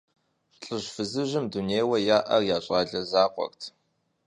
ЛӀыжь-фызыжьым дунейуэ яӀэр я щӀалэ закъуэрт.